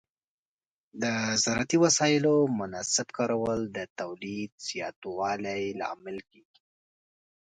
د زراعتي وسایلو مناسب کارول د تولید زیاتوالي لامل کېږي.